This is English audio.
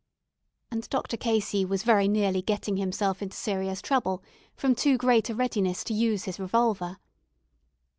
And Dr. Casey was very nearly getting himself into serious trouble, from too great a readiness to use his revolver.